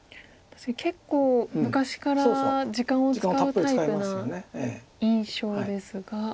確かに結構昔から時間を使うタイプな印象ですが。